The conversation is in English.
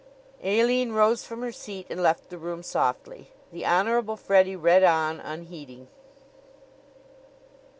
Aline rose from her seat and left the room softly. The Honorable Freddie read on, unheeding.